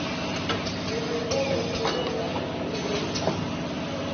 Enuveame kodo dashi yi le.